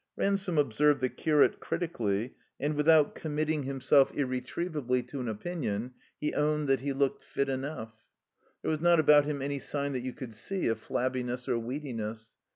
Ransome ob served the curate critically, and without committing 103 THE COMBINED MAZE himself irretrievably to an opinion, he owned that he looked fit enough. There was not about him any sign that you could see of flabbiness or weediness.